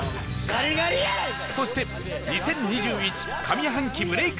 そして２０２１上半期ブレイク